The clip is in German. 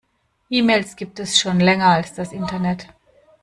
E-Mails gibt es schon länger als das Internet.